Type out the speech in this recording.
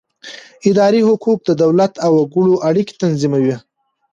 اداري حقوق د دولت او وګړو اړیکې تنظیموي.